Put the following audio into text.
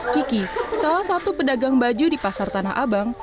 kiki salah satu pedagang baju di pasar tanah abang